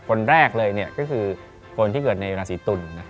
คนแรกเลยก็คือคนที่เกิดในราศีตุล